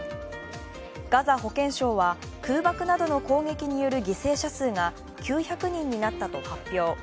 ガザ保健省は空爆などの攻撃による犠牲者数が９００人になったと発表。